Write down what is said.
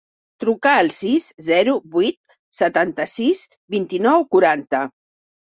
Truca al sis, zero, vuit, setanta-sis, vint-i-nou, quaranta.